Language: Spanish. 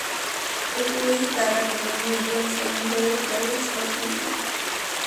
Estudió guitarra con John Williams en el Royal College of Music.